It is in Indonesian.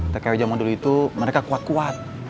tkw zaman dulu itu mereka kuat kuat